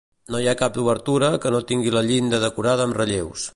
No hi ha cap obertura que no tingui la llinda decorada amb relleus.